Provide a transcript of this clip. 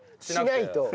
しないと。